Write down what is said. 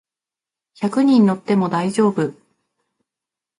百人乗っても大丈夫